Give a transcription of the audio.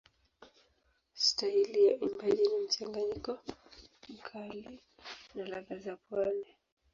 Staili ya uimbaji ni mchanganyiko mkali na ladha za pwani.